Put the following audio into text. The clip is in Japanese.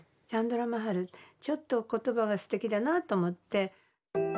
チャンドラ・マハルちょっと言葉がすてきだなと思って。